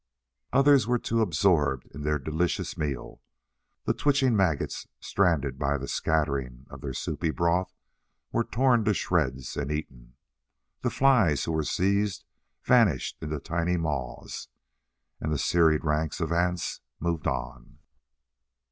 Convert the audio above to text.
Others were too absorbed in their delicious meal. The twitching maggots, stranded by the scattering of their soupy broth, were torn to shreds and eaten. The flies who were seized vanished into tiny maws. And the serried ranks of ants moved on.